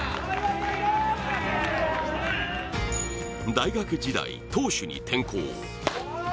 大学時代、投手に転向。